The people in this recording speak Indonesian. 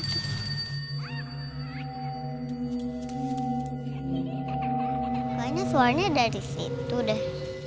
kayaknya suaranya dari situ deh